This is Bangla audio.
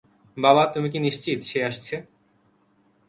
বাবা, তুমি কি নিশ্চিত সে আসছে?